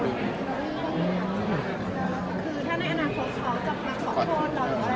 คือเราอยากรักเขาเป็นน้องเราหรือเปล่า